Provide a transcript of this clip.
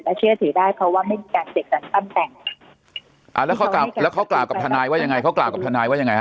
และเชื่อถือได้เพราะว่าไม่มีการเสร็จตั้งแต่งแล้วเขากล่าวกับทนายว่ายังไง